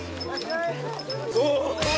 お！